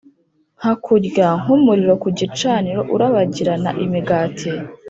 nka kurya kw'umuriro ku gicaniro urabagirana imigati;